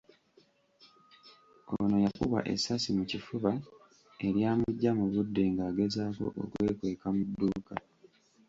Ono yakubwa essasi mu kifuba eryamuggya mu budde ng’agezaako okwekweka mu dduuka.